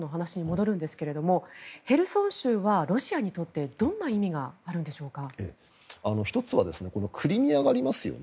先ほどのヘルソンの話に戻るんですがヘルソン州はロシアにとってどんな意味があるんでしょうか。